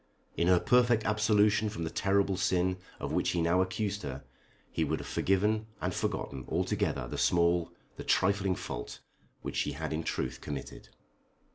In her perfect absolution from the terrible sin of which he now accused her he would have forgiven and forgotten altogether the small, the trifling fault, which she had in truth committed.